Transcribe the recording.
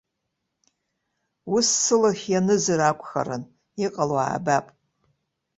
Ус сылахь ианызар акәхарын, иҟало аабап.